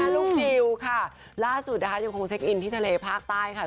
ลูกดิวค่ะล่าสุดนะคะยังคงเช็คอินที่ทะเลภาคใต้ค่ะ